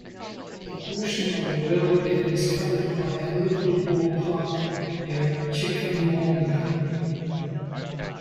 A portion of the rail bed is covered by a local ballpark near Chickamauga.